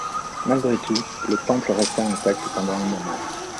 Malgré tout, le temple resta intact pendant un moment.